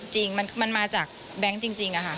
จริงมันมาจากแบงค์จริงค่ะ